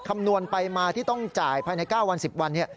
คำนวณไปมาที่ต้องจ่ายภายใน๙วัน๑๐วัน